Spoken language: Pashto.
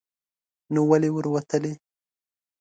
نو ولې ور وتلی ؟